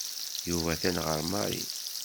Yuba atan ɣer Mary.